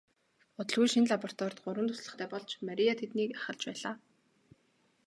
Удалгүй шинэ лабораторид гурван туслахтай болж Мария тэднийг ахалж байлаа.